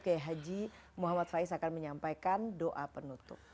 kiai haji muhammad faiz akan menyampaikan doa penutup